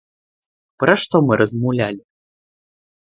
Пра што мы размаўлялі?